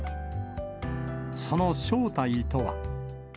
その正体とは。